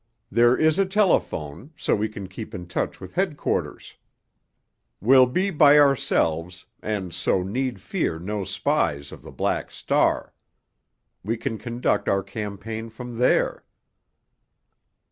There is a telephone, so we can keep in touch with headquarters. We'll be by ourselves, and so need fear no spies of the Black Star. We can conduct our campaign from there."